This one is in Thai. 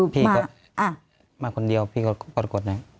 พี่ก็มาคนเดียวพี่ก็ปรากฏนะ